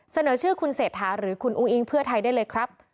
เสนอชื่อคุณเศรษฐาหรือคุณอุ้งอิงเพื่อไทยได้เลยครับ